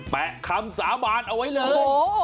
แปะคำสาบานเอาไว้เลย